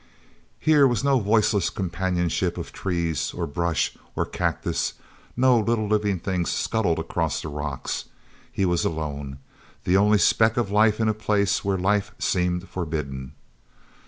Here was no voiceless companionship of trees or brush or cactus; no little living things scuttled across the rocks—he was alone, the only speck of life in a place where life seemed forbidden.